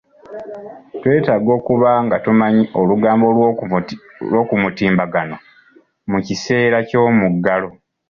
Twetaaga okuba nga tumanyi olugambo lw'okumutimbagano mu kiseera ky'omuggalo